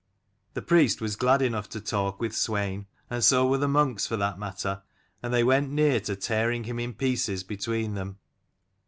The priest was glad enough to talk with Swein, and so were the monks, for that matter; and they went near to tearing him in pieces between them.